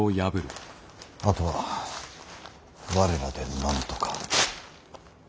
あとは我らでなんとか。